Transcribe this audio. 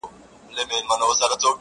لهشاوردروميګناهونهيېدلېپاتهسي.